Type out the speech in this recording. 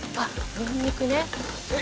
にんにくねえっ